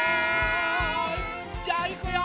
じゃあいくよ！